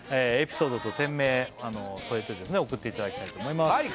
エピソードと店名添えて送っていただきたいと思います